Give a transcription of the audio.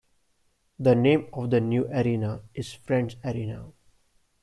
The name of the new arena is Friends Arena.